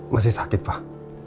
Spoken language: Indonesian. masih sakit pak